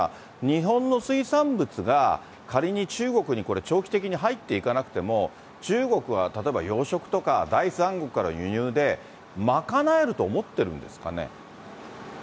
日本の水産物が仮に中国に、これ、長期的に入っていかなくても、中国は、例えば養殖とか第三国から輸入で賄えると思ってるんですかね。